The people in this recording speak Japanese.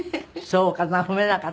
そうかな？